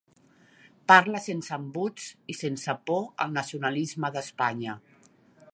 Parla sense embuts i sense por al nacionalisme d'Espanya.